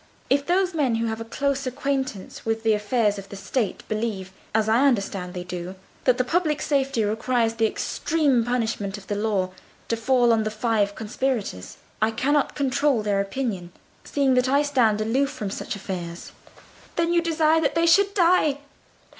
If those men who have a close acquaintance with the affairs of the State believe, as I understand they do, that the public safety requires the extreme punishment of the law to fall on the five conspirators, I cannot control their opinion, seeing that I stand aloof from such affairs." "Then you desire that they should die?